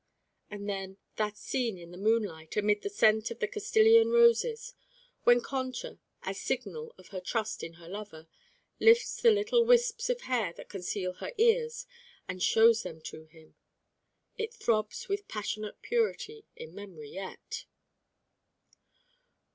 And then that scene in the moonlight amid the scent of the Castilian roses, when Concha, as signal of her trust in her lover, lifts the little wisps of hair that conceal her ears and shows them to him it throbs with passionate purity in memory yet.